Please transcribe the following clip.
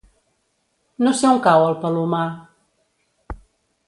No sé on cau el Palomar.